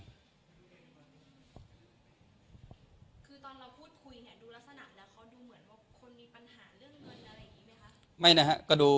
คือตอนเราพูดคุยเนี่ยดูลักษณะแล้วเขาดูเหมือนว่าคนมีปัญหาเรื่องเงินอะไรอย่างนี้ไหมคะ